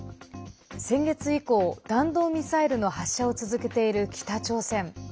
先月以降、弾道ミサイルの発射を続けている北朝鮮。